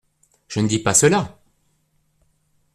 Je ne dis pas cela…